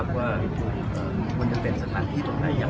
ซึ่งก็คงจะตามมา